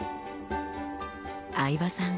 相葉さん